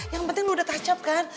yang penting lu udah touch up kan